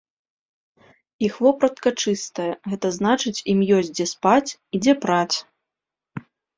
Іх вопратка чыстая, гэта значыць, ім ёсць, дзе спаць і дзе праць.